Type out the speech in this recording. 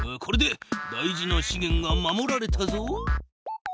これで大事なしげんが守られたぞ。